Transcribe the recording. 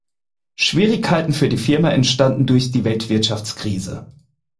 Schwierigkeiten für die Firma entstanden durch die Weltwirtschaftskrise.